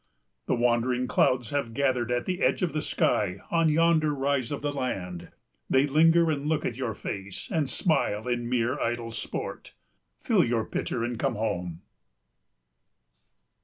The wandering clouds have gathered at the edge of the sky on yonder rise of the land. They linger and look at your face and smile in mere idle sport. Fill your pitcher and come home.